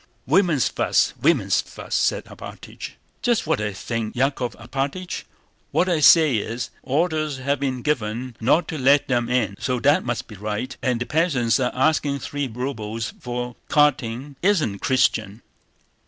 "Women's fuss, women's fuss!" said Alpátych. "Just what I think, Yákov Alpátych. What I say is: orders have been given not to let them in, so that must be right. And the peasants are asking three rubles for carting—it isn't Christian!"